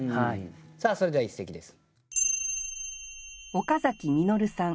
さあそれでは一席です。